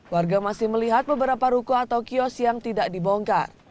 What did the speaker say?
warga masih melihat beberapa ruko atau kios yang tidak dibongkar